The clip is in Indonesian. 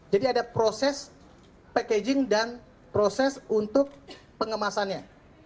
jadi ada proses packaging dan proses untuk pengemasannya